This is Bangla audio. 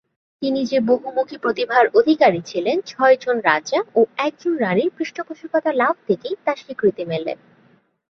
তিনি যে বহুমুখী প্রতিভার অধিকারী ছিলেন ছয়জন রাজা ও একজন রানীর পৃষ্ঠপোষকতা লাভ থেকেই তার স্বীকৃতি মেলে।